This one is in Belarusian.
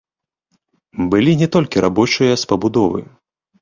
Былі не толькі рабочыя з пабудовы.